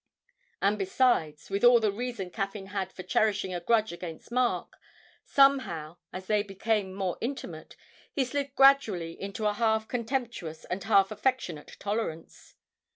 And besides, with all the reason Caffyn had for cherishing a grudge against Mark, somehow, as they became more intimate, he slid gradually into a half contemptuous and half affectionate tolerance.